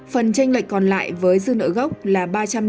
phần tranh lệnh còn lại với dư nợ gốc là